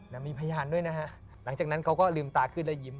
แล้วมีพยานด้วยนะฮะหลังจากนั้นเขาก็ลืมตาขึ้นแล้วยิ้ม